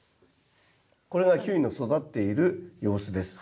これがキュウリの育っている様子です。